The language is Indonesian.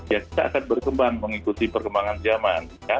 ya kita akan berkembang mengikuti perkembangan zaman